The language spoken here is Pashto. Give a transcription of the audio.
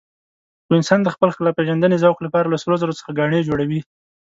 خو انسان د خپل ښکلاپېژندنې ذوق لپاره له سرو زرو څخه ګاڼې جوړوي.